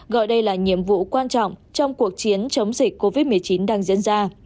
gọi đây là nhiệm vụ quan trọng trong cuộc chiến chống dịch covid một mươi chín đang diễn ra